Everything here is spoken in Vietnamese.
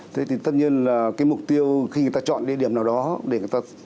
tất nhiên khi người ta chọn địa điểm nào đó